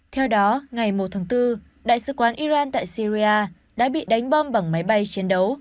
theo đó ngày một tháng bốn đại sứ quán iran tại syria đã bị đánh bom bằng máy bay chiến đấu